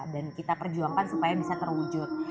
dan kita perjuangkan supaya bisa terwujud